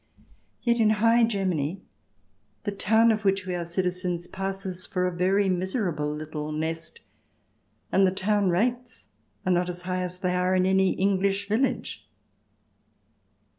Yet in High Germany the town of which we are citizens passes for a very miserable little nest, and the town rates are not as high as they are in any English village.